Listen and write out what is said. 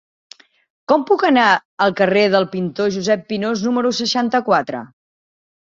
Com puc anar al carrer del Pintor Josep Pinós número seixanta-quatre?